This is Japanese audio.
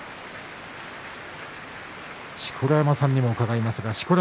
錣山さんにも伺います。